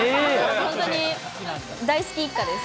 本当に大好き一家です。